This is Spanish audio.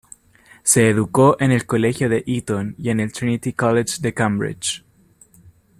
Se educó en el Colegio de Eton y en el Trinity College de Cambridge.